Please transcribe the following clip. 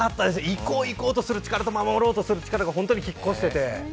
いこういこうとする力と守ろうとする力が本当に拮抗していて。